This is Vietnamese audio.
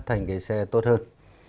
thành cái xe tốt hơn